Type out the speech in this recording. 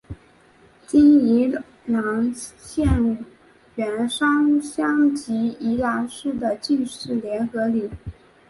今宜兰县员山乡及宜兰市的进士联合里。